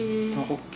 ＯＫ。